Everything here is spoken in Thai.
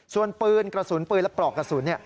ส่วนปืนกระสุนปืนและปลอกกระสุน